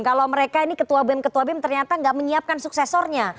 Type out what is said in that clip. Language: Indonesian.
kalau mereka ini ketua bem ketua bem ternyata nggak menyiapkan suksesornya